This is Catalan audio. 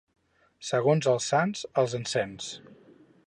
Segons els sants, els encens.